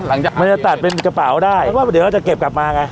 มันจะเปล่าได้เดี๋ยวเราจะเก็บกลับมาไง